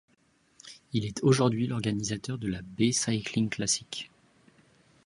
Il est aujourd'hui l'organisateur de la Bay Cycling Classic.